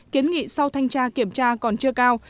kiến nghị sau thanh tra kiểm tra còn chưa cao